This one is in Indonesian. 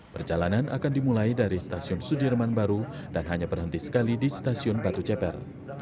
perjalanan akan dimulai dari stasiun sudirman baru dan hanya berhenti sekali di stasiun batu ceper